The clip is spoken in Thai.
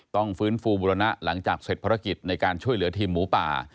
ต้องฟื้นฟูบุรณะหลังจากเสร็จภารกิจในการช่วยเหลือทีมหมูป่า